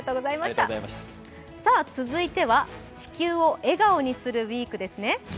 続いては「地球を笑顔にするＷＥＥＫ」ですね。